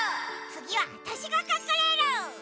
つぎはわたしがかくれる！